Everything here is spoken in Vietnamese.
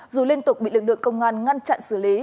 dù liên tục bị lực lượng công an ngăn chặn xử lý